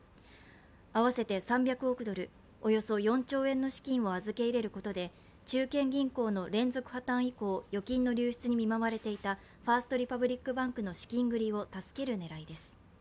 合わせて３００億ドル、およそ４兆円の資金を預け入れることで中堅銀行の連続破たん以降預金の流出に見舞われていたファースト・リパブリック・バンクの資金繰りを助ける狙いです。